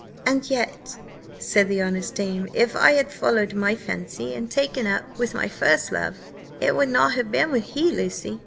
"And yet," said the honest dame, "if I had followed my fancy, and taken up with my first love, it would not ha' been with he, Lucy.